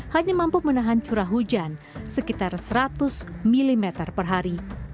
hanya mampu menahan curah hujan sekitar seratus mm per hari